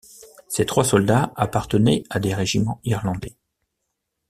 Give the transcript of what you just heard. Ces trois soldats appartenaient à des régiments Irlandais.